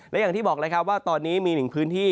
และอย่างที่บอกเลยครับว่าตอนนี้มีหนึ่งพื้นที่